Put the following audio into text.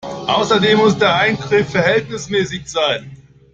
Außerdem muss der Eingriff verhältnismäßig sein.